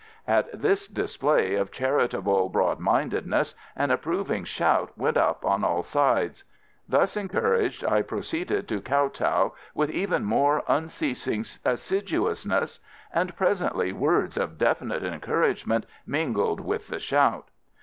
At this display of charitable broadmindedness an approving shout went up on all sides. Thus encouraged I proceeded to kow tow with even more unceasing assiduousness, and presently words of definite encouragement mingled with the shout.